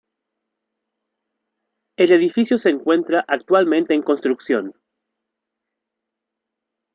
El edificio se encuentra actualmente en construcción.